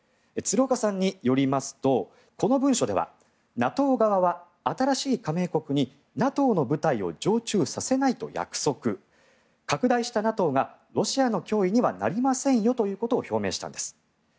鶴岡さんによりますとこの文書ではＮＡＴＯ側は新しい加盟国にＮＡＴＯの部隊を常駐させないと約束拡大したＮＡＴＯがロシアの脅威にはなりませんよということを表明したんです。